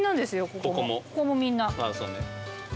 ここもみんな。